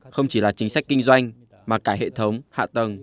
không chỉ là chính sách kinh doanh mà cả hệ thống hạ tầng